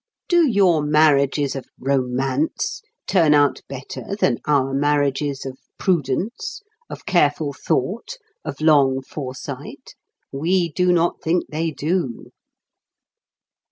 Do your marriages of 'romance' turn out better than our marriages of prudence, of careful thought, of long foresight? We do not think they do."